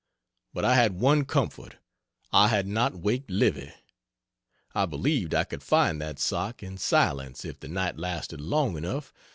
But I had one comfort I had not waked Livy; I believed I could find that sock in silence if the night lasted long enough.